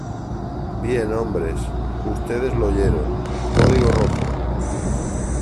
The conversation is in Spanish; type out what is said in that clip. Bien, hombres. Ustedes lo oyeron .¡ código rojo!